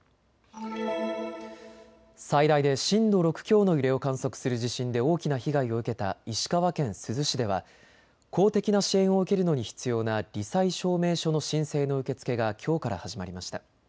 最大で震度６強の揺れを観測する地震で大きな被害を受けた石川県珠洲市では公的な支援を受けるのに必要なり災証明書の申請の受け付けがきょうから始まりました。